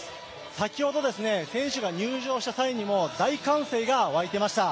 先ほど選手が入場した際にも大歓声が沸いていました。